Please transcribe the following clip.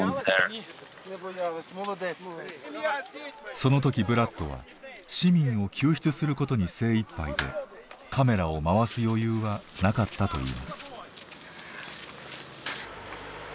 その時ブラッドは市民を救出することに精いっぱいでカメラを回す余裕はなかったといいます。